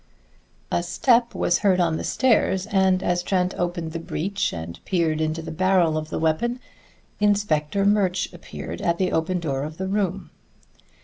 A step was heard on the stairs, and as Trent opened the breech and peered into the barrel of the weapon, Inspector Murch appeared at the open door of the room.